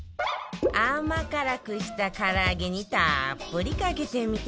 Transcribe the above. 甘辛くした唐揚げにたっぷりかけてみて